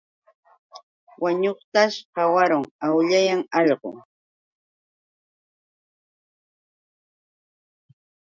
Wañuqtaćh qawarun, awllayan allqu.